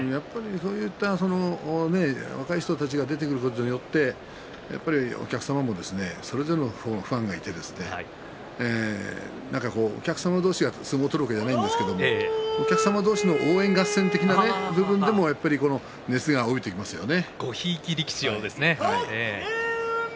そういった若い人たちが出てくることによってお客様もそれぞれのファンがいてお客様同士が相撲を取るわけではないんですけれどお客様同士の応援合戦な部分も熱が帯びてきますよね。